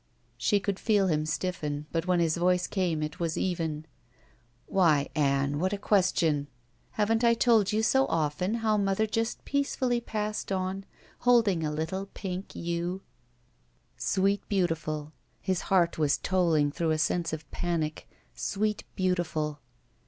She could feel him stiffen, but when his voice came it was even. "Why, Ann, what a — question! Haven't I told you so often how mother just peacefully passed on, holding a Uttle pink you." Sweet Beautiful — ^hds heart was tolling through a sense of panic — Sweet Beautiful.